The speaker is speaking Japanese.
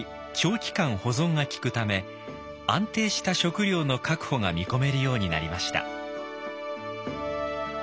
長期間保存がきくため安定した食料の確保が見込めるようになりました。